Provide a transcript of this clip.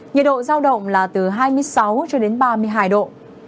nhiệt độ giao động là từ hai mươi sáu ba mươi hai độ